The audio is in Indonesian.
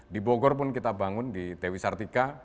di bogor pun kita bangun di dewi sartika